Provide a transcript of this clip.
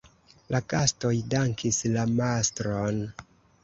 La gastoj dankis la mastron.